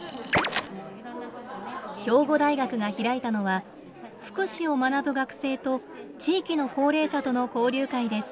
兵庫大学が開いたのは福祉を学ぶ学生と地域の高齢者との交流会です。